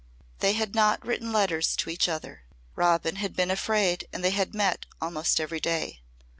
They had not written letters to each other. Robin had been afraid and they had met almost every day.